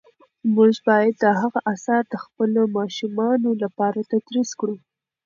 موږ باید د هغه آثار د خپلو ماشومانو لپاره تدریس کړو.